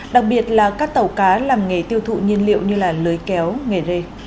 đặc biệt là các tàu cá làm nghề tiêu thụ nhiên liệu như lưới kéo nghề rê